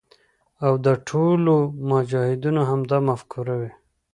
او د ټولو مجاهدینو همدا مفکوره وي.